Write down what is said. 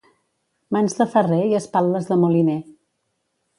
Mans de ferrer i espatles de moliner.